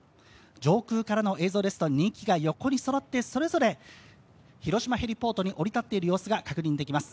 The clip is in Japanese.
上空からの映像ですと２機が横にそろって、それぞれ、広島ヘリポートに降り立っている様子が確認できます。